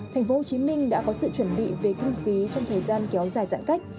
tp hcm đã có sự chuẩn bị về thu phí trong thời gian kéo dài giãn cách